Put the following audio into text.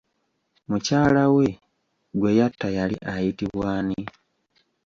Mukyala we gwe yatta yali ayitibwa ani?